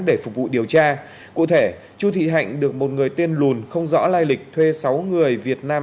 để phục vụ điều tra cụ thể chu thị hạnh được một người tên lùn không rõ lai lịch thuê sáu người việt nam